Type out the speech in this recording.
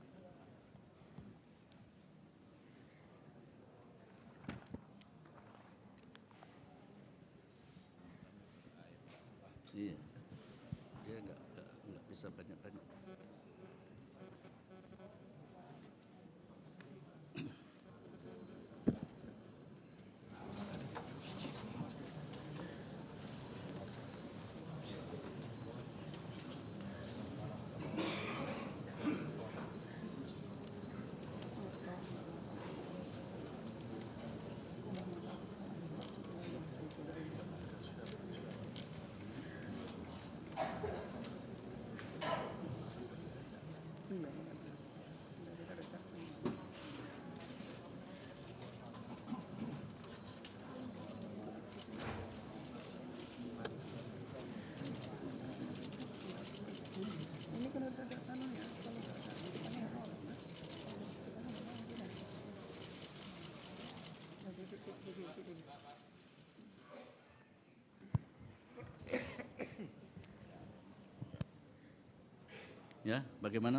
dan dihadiri oleh alim kartono safm